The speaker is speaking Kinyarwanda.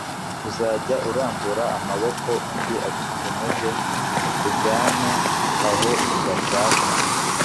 uzajya urambura amaboko undi agukenyeze a akujyane aho udashaka